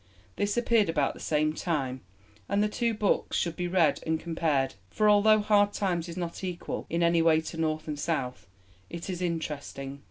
This appeared about the same time, and the two books should be read and compared, for, although Hard Times is not equal in any way to North and South, it is interesting.